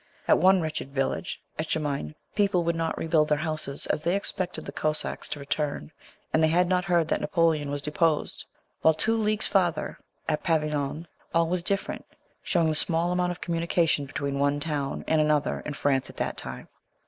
At one wretched village, Echemine, people would not rebuild their houses as they expected the Cossacks to return, and they had not heard that Napoleon was deposed ; while two leagues farther, at Pavilion, all was different, showing the small amount of communica tion between one town and another in France at that time.